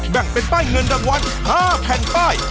แบ่งเป็นป้ายเงินรางวัล๕แผ่นป้าย